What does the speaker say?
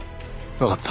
わかった。